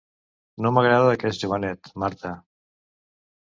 No m'agrada aquest jovenet, Marta...